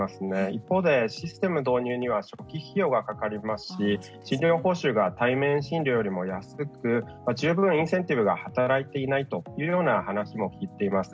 一方でシステム導入には初期費用が掛かりますし診療報酬が対面診療よりも安く十分インセンティブが働いていないという話も聞いています。